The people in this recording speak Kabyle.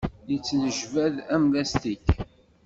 Yettnejbad am lastik.